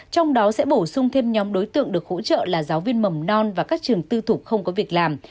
trong đó sẽ bổ sung thêm nhóm đối tượng được hỗ trợ là giáo viên mầm non và các trường tư thục không có việc làm